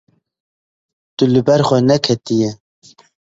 Tu li ber xwe neketiyî.